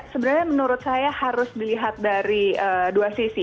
sebenarnya menurut saya harus dilihat dari dua sisi